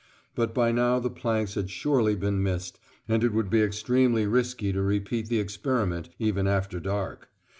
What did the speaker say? But by now the planks had surely been missed, and it would be extremely risky to repeat the experiment, even after dark.